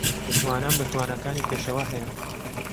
متمانەم بە تواناکانی پێشەوا هەیە.